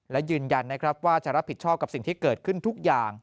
และยืนยันนะครับว่าจะรับผิดชอบกับสิ่งที่เกิดขึ้นทุกอย่าง